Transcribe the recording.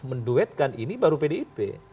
menduetkan ini baru pdip